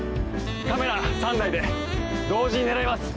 カメラ３台で同時に狙います。